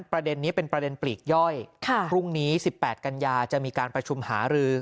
ประเด็นนี้เป็นประเด็นปลีกย่อยพรุ่งนี้๑๘กันยาจะมีการประชุมหารือ